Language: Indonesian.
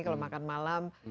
kalau makan malam